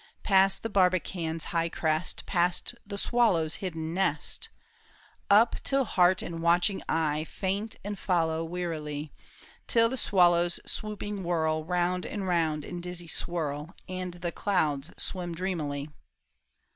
Past the barbican's high crest, Past the swallow's hidden nest ; Up, till heart and watching eye Faint and follow wearily, Till the swallows swooping whirl Round and round in dizzy swirl, And the clouds swim dreamily.